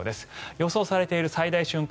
予想されている最大瞬間